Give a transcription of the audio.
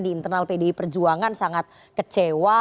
di internal pdi perjuangan sangat kecewa